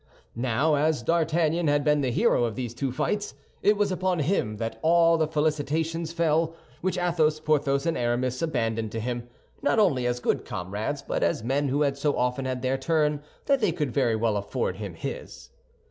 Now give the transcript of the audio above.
Now, as D'Artagnan had been the hero of these two fights, it was upon him that all the felicitations fell, which Athos, Porthos, and Aramis abandoned to him, not only as good comrades, but as men who had so often had their turn that they could very well afford him his.